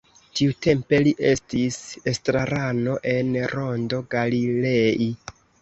Tiutempe li estis estrarano en Rondo Galilei.